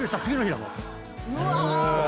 うわ！